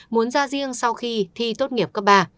muốn ra riêng sau khi thi tốt nghiệp cấp ba